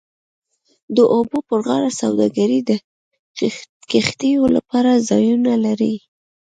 د اوبو پر غاړه سوداګرۍ د کښتیو لپاره ځایونه لري